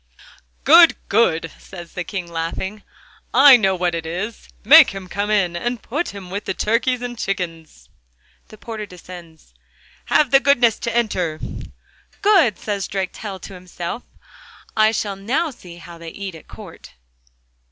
'Good, good!' said the King laughing. 'I know what it is! Make him come in, and put him with the turkeys and chickens.' The porter descends. 'Have the goodness to enter.' 'Good!' says Drakestail to himself, 'I shall now see how they eat at court.